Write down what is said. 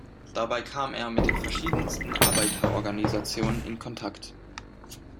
Dabei kam er mit den verschiedensten Arbeiterorganisationen in Kontakt.